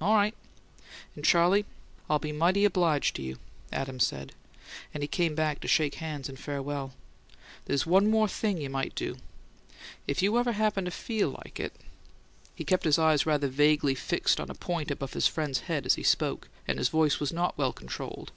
"All right." "And, Charley, I'll be mighty obliged to you," Adams said, and came back to shake hands in farewell. "There's one thing more you might do if you'd ever happen to feel like it." He kept his eyes rather vaguely fixed on a point above his friend's head as he spoke, and his voice was not well controlled.